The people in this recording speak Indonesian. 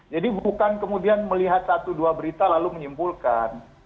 jadi bukan kemudian melihat satu dua berita lalu menyimpulkan